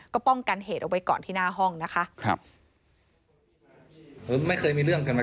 ก็ป้องกันเหตุเอาไปก่อนที่หน้าห้องนะคะ